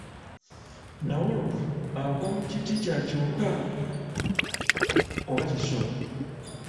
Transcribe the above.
Nnawolovu agwa mu kiti kya kiwuka oba kisolo?